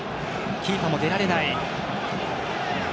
キーパーも出られない。